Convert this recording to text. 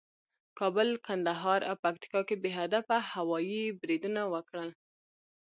کابل، کندهار او پکتیکا کې بې هدفه هوایي بریدونه وکړل